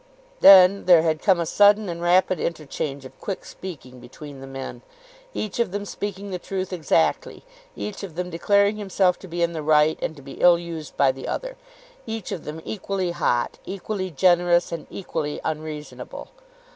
Then there had come a sudden and rapid interchange of quick speaking between the men, each of them speaking the truth exactly, each of them declaring himself to be in the right and to be ill used by the other, each of them equally hot, equally generous, and equally unreasonable.